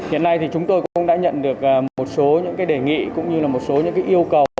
hiện nay thì chúng tôi cũng đã nhận được một số những cái đề nghị cũng như là một số những yêu cầu